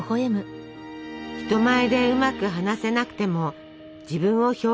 人前でうまく話せなくても自分を表現する手段がある。